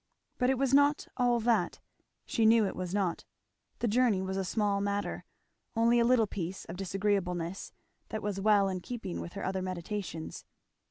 But it was not all that; she knew it was not. The journey was a small matter; only a little piece of disagreeableness that was well in keeping with her other meditations.